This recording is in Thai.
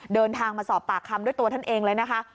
เดินทางมาสอบปากคำด้วยตัวท่านเองเลยนะคะ